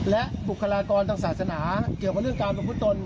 และบุคลากรทางศาสนาเกี่ยวกับเรื่องการประพฤตน